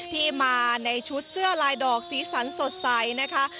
ที่มาในชุดเสื้อลายดอกสีสันสดใสนะคะ